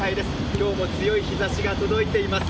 今日も強い日差しが届いています。